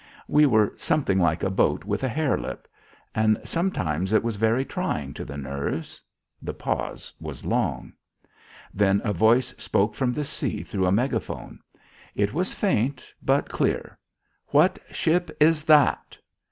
We were something like a boat with a hair lip. And sometimes it was very trying to the nerves.... The pause was long. Then a voice spoke from the sea through a megaphone. It was faint but clear. "What ship is that?"